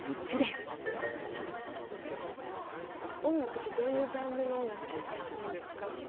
音楽ってどういうジャンルの音楽聴いたりするんですか？